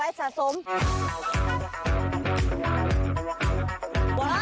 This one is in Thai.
เอาล่ะขอเก็บไว้สะสม